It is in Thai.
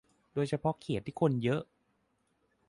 โดยเฉพาะเขตที่คนเยอะ